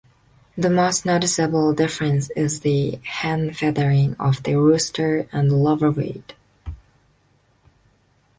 The most noticeable difference is the hen-feathering of the rooster and the lower weight.